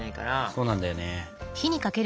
そうなんだよね。